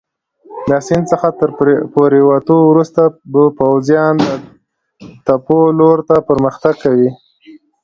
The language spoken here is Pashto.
د سیند څخه تر پورېوتو وروسته به پوځیان د تپو لور ته پرمختګ کوي.